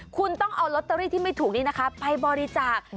คุณต้องเอาลอตเตอรี่ที่ไม่ถูกนี้นะคะไปบริจาค